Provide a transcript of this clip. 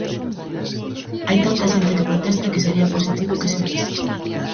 Hai tanta xente que protesta que sería positivo que se unise.